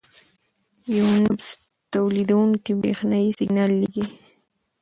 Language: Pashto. یو نبض تولیدوونکی برېښنايي سیګنال لېږي.